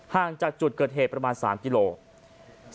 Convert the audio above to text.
ห่างจากจุดเกิดเหตุประมาณ๓กิโลกรัม